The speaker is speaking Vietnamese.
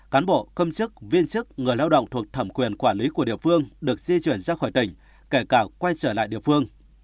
cán bộ công chức viên chức người lao động thuộc thẩm quyền quản lý của địa phương được di chuyển ra khỏi tỉnh kể cả quay trở lại địa phương